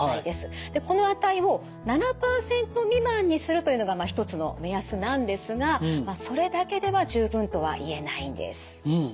でこの値を７％未満にするというのが一つの目安なんですがそれだけでは十分とは言えないんです。